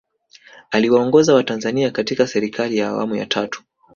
aliwaongoza watanzania katika serikali ya awamu ya tatu